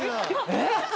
えっ？